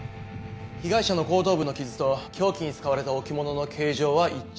被害者の後頭部の傷と凶器に使われた置物の形状は一致。